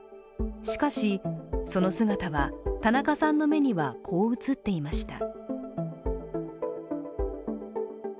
しかし、その姿は田中さんの目には、こう映っていました。